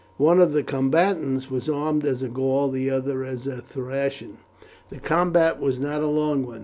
One of the combatants was armed as a Gaul, the other as a Thracian. The combat was not a long one.